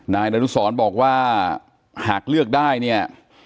นายดรุสรบอกว่าหากเลือกได้เนี่ย